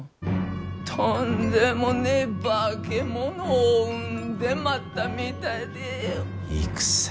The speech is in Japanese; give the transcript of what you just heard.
とんでもねえ化け物を生んでまったみたいで。